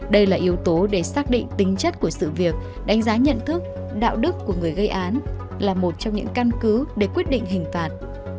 đây là yếu tố để xác định tính chất của sự việc đánh giá nhận thức đạo đức của người gây án là một trong những căn cứ để quyết định hình phạt